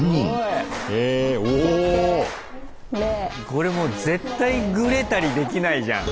これもう絶対グレたりできないじゃん。